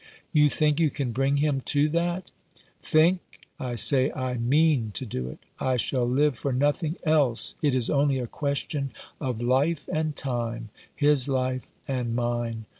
" You think you can bring him to that ?"" Think ! I say I mean to do it. I shall live for nothing else. It is only a question of life and time ; his life and mine.